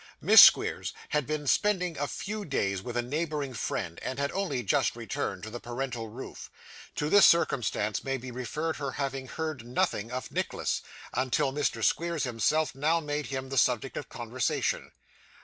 Miss Squeers had been spending a few days with a neighbouring friend, and had only just returned to the parental roof. To this circumstance may be referred, her having heard nothing of Nicholas, until Mr. Squeers himself now made him the subject of conversation.